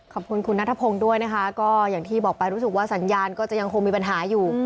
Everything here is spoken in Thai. ขอบคุณคุณนัทพงศ์ด้วยนะคะก็อย่างที่บอกไปรู้สึกว่าสัญญาณก็จะยังคงมีปัญหาอยู่